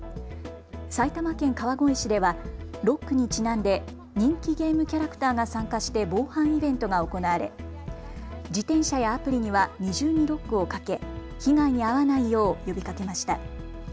埼玉県川越市ではロックにちなんで人気ゲームキャラクターが参加して防犯イベントが行われ自転車やアプリには二重にロックをかけ被害に遭わないよう呼びかけました。